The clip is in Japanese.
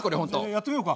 やってみようか。